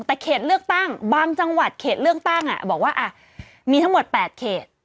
แต่เขตเลือกตั้งบางจังหวัดเขตเลือกตั้งบอกว่ามีทั้งหมด๘เขต